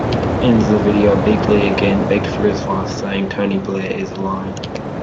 In the video, Bigley again begged for his life, saying, Tony Blair is lying.